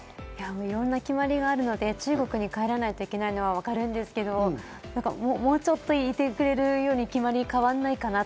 いろんな決まりがあるので、中国に帰らなきゃいけないのはわかるんですけれど、もうちょっと、いてくれるように決まりが変わらないかなって。